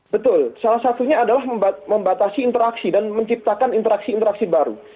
betul salah satunya adalah membatasi interaksi dan menciptakan interaksi interaksi baru